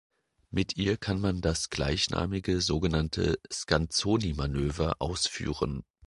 Mit ihr kann man das gleichnamige sogenannte "Scanzoni-Manöver" ausführen.